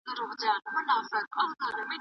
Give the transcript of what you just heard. دروازه د انا له خوا په ډېر قهر سره بنده شوه.